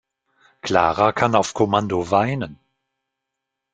Clara kann auf Kommando weinen.